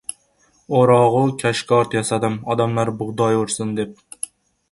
O‘rog‘u kashkord yasadim — odamlar bug‘doy o‘rsin deb.